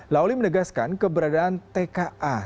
lawli menegaskan keberadaan tka